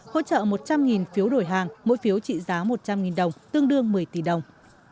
hỗ trợ một trăm linh phiếu đổi hàng mỗi phiếu trị giá một trăm linh đồng tương đương một mươi tỷ đồng